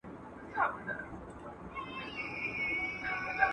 په ادارو کي باید شفافیت وي.